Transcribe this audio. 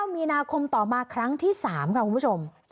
มีนาคมต่อมาครั้งที่๓ค่ะคุณผู้ชม